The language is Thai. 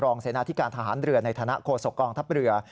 เสนาธิการทหารเรือในฐานะโฆษกองทัพเรือ